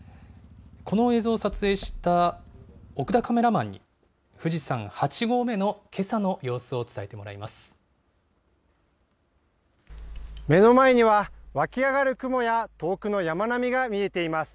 この映像を撮影した奥田カメラマンに、富士山８合目のけさの目の前には、湧き上がる雲や遠くの山並みが見えています。